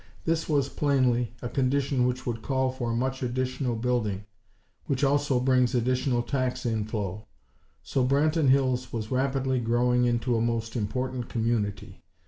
This was, plainly, a condition which would call for much additional building; which also brings additional tax inflow; so Branton Hills was rapidly growing into a most important community.